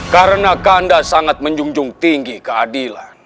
karena kanda sangat menjunjung tinggi keadilan